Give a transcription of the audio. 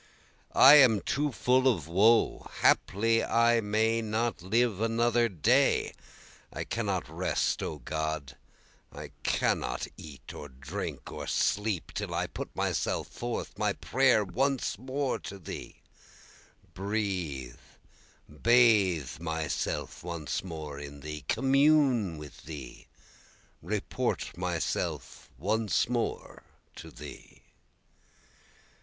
I am too full of woe! Haply I may not live another day; I cannot rest O God, I cannot eat or drink or sleep, Till I put forth myself, my prayer, once more to Thee, Breathe, bathe myself once more in Thee, commune with Thee, Report myself once more to Thee.